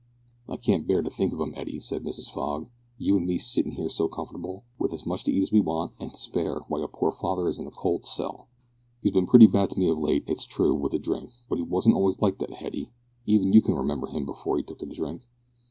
"I can't bear to think of 'im, Hetty," said Mrs Frog. "You an' me sittin' here so comfortable, with as much to eat as we want, an' to spare, while your poor father is in a cold cell. He's bin pretty bad to me of late, it's true, wi' that drink, but he wasn't always like that, Hetty; even you can remember him before he took to the drink."